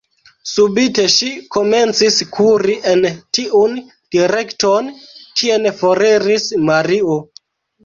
Subite ŝi komencis kuri en tiun direkton, kien foriris Mario.